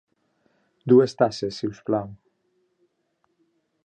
Dues tasses, si us plau.